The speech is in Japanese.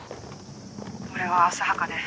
俺は浅はかで。